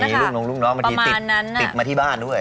มีลูกน้องมาที่ติดติดมาที่บ้านด้วย